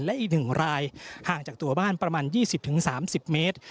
และอีก๑รายห่างจากตัวบ้านประมาณ๒๐๓๐เมตร